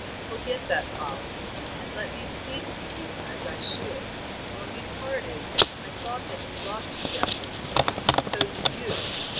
Forget that folly, and let me speak to you as I should. When we parted I thought that you loved Geoffrey; so did you.